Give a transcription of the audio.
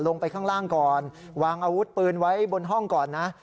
ลงไปข้างล่างก่อนวางอาวุธปืนไว้บนห้องก่อนนะ